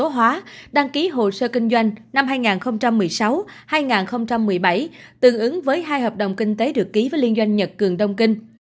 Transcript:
hóa đăng ký hồ sơ kinh doanh năm hai nghìn một mươi sáu hai nghìn một mươi bảy tương ứng với hai hợp đồng kinh tế được ký với liên doanh nhật cường đông kinh